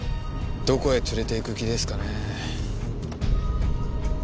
どこへ連れて行く気ですかね？